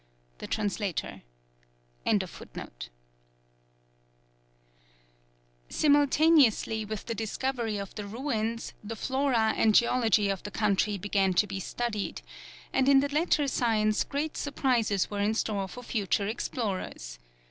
Trans.] Simultaneously with the discovery of the ruins the flora and geology of the country began to be studied, and in the latter science great surprises were in store for future explorers.